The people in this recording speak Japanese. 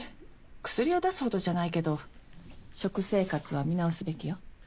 薬を出すほどじゃないけど食生活は見直すべきよ。